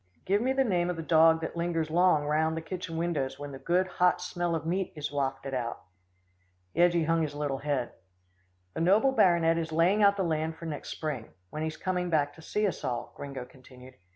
Give me the name of the dog that lingers long round the kitchen windows, when the good, hot smell of meat is wafted out." Yeggie hung his little head. "The noble baronet is laying out the land for next spring, when he's coming back to see us all," Gringo continued.